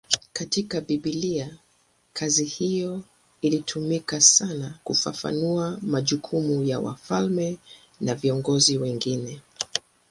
Katika Biblia kazi hiyo ilitumika sana kufafanua majukumu ya wafalme na viongozi wengine.